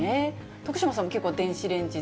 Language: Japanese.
徳島さんも結構電子レンジで。